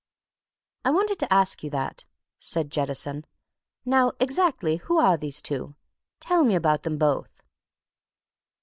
"I wanted to ask you that," said Jettison. "Now, exactly who are these two? tell me about them both."